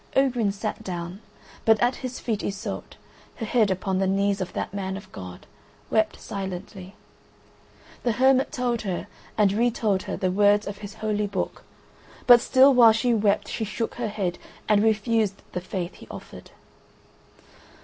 Ogrin sat down; but at his feet Iseult, her head upon the knees of that man of God, wept silently. The hermit told her and re told her the words of his holy book, but still while she wept she shook her head, and refused the faith he offered.